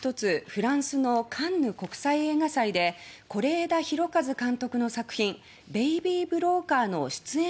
フランスのカンヌ国際映画祭で是枝裕和監督の作品「ベイビー・ブローカー」の出演